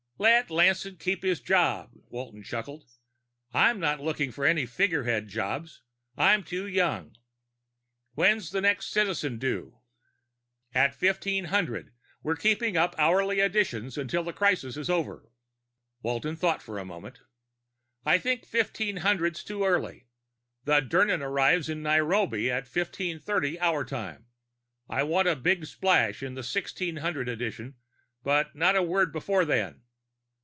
"Let Lanson keep his job," Walton chuckled. "I'm not looking for any figurehead jobs. I'm too young. When's the next Citizen due?" "At 1500. We're keeping up hourly editions until the crisis is over." Walton thought for a moment. "I think 1500's too early. The Dirnan arrives in Nairobi at 1530 our time. I want a big splash in the 1600 edition but not a word before then!"